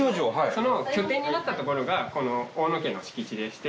その拠点となった所がこの大野家の敷地でして。